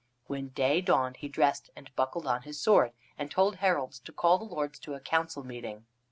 When day dawned he dressed and buckled on his sword, and told heralds to call the lords to a council meeting.